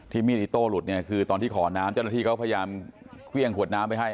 มีดอิโต้หลุดเนี่ยคือตอนที่ขอน้ำเจ้าหน้าที่เขาพยายามเครื่องขวดน้ำไปให้